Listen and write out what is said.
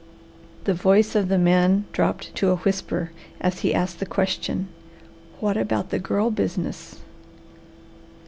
The voice of the man dropped to a whisper as he asked the question. "What about the girl business?"